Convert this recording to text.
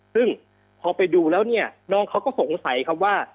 ซึ่งพอไปดูแล้วเนี่ยน้องเขาก็สงสัยครับว่า